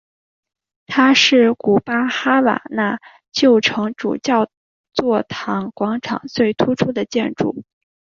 它是古巴哈瓦那旧城主教座堂广场最突出的建筑。